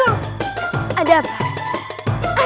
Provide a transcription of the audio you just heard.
cru dal bikes